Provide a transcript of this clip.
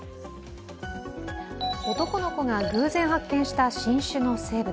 男の子が偶然発見した新種の生物。